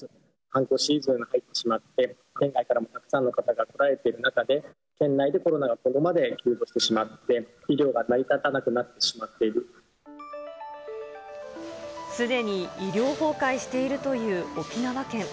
観光シーズンに入ってしまって、県外からもたくさんの方が来られている中で、県内でコロナがここまで急増してしまって、医療が成り立たなくなすでに医療崩壊しているという沖縄県。